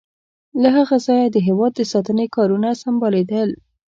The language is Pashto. له هغه ځایه د هېواد د ساتنې کارونه سمبالیدل.